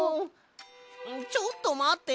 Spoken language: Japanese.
ちょっとまって！